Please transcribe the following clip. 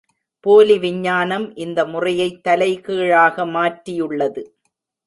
போலி விஞ்ஞானம் இந்த முறையைத் தலைகீழாக மாற்றியுள்ளது.